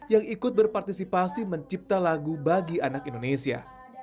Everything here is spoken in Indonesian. yang ikut berpartisipasi mencipta lagu bagi anak indonesia